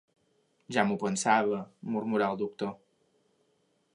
Ja m'ho pensava –murmurà el doctor.